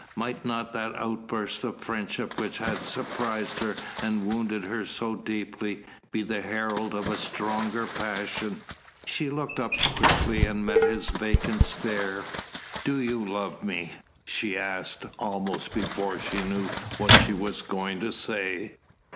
Might not that outburst of friendship which had surprised her and wounded her so deeply, be the herald of a stronger passion? She looked up quickly and met his vacant stare. "Do you love me?" she asked, almost before she knew what she was going to say.